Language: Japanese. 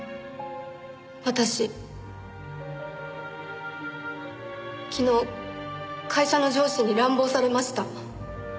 私昨日会社の上司に乱暴されました。